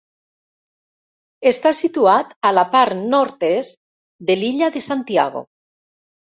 Està situat a la part nord-est de l'illa de Santiago.